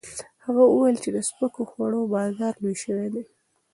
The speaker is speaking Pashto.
هغه وویل چې د سپکو خوړو بازار لوی شوی دی.